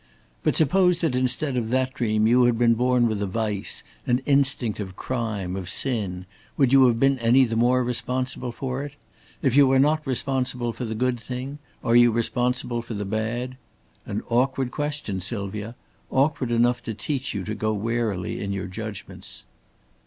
But suppose that instead of that dream you had been born with a vice, an instinct of crime, of sin, would you have been any the more responsible for it? If you are not responsible for the good thing, are you responsible for the bad? An awkward question, Sylvia awkward enough to teach you to go warily in your judgments."